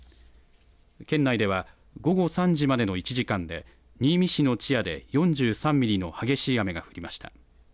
県内では午後３時までの１時間で新見市の千屋で４３ミリの激しい雨が降りました。